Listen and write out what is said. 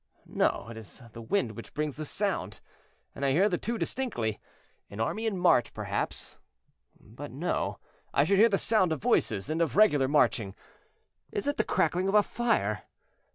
No, it is the wind which brings this sound, and I hear the two distinctly. An army in march, perhaps? But no; I should hear the sound of voices and of regular marching. Is it the crackling of a fire?